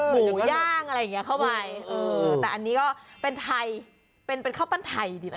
หมูย่างอะไรอย่างนี้เข้าไปเออแต่อันนี้ก็เป็นไทยเป็นข้าวปั้นไทยดีไหม